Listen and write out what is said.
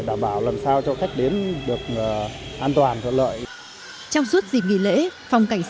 để giúp các khách đến được an toàn và lợi